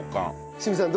清水さん